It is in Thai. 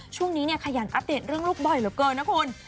ช่วงนี้เนี่ยขยันอัปเดตเรื่องลูกบ่อยเหลือเกินนะคุณ